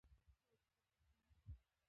ایا زه باید مطمئن شم؟